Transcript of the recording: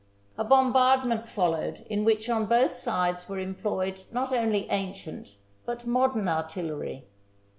A bombardment followed in which on both sides were employed not only ancient but modern artil lery.